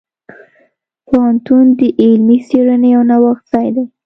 پوهنتون د علمي څیړنې او نوښت ځای دی.